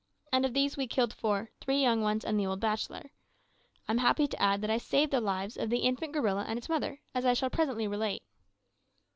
And of these we killed four three young ones, and the old bachelor. I am happy to add that I saved the lives of the infant gorilla and its mother, as I shall presently relate.